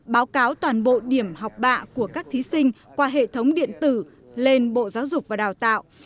báo cáo toàn bộ điểm học bạ của các thí sinh qua hệ thống điện tử lên bộ giáo dục và đào tạo